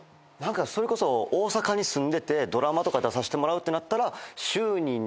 それこそ大阪に住んでてドラマとか出させてもらうってなったら。